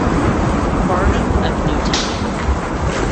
Barnum of NewTek.